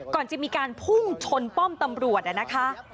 ก่อนจะมีการพุ่งชนป้อมตำรวจนะคะ